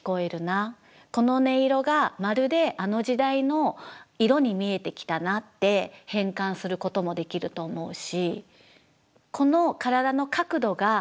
この音色がまるであの時代の色に見えてきたなって変換することもできると思うし。